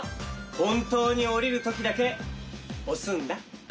ほんとうにおりるときだけおすんだ。